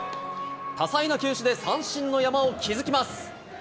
多彩な球種で三振の山を築きます。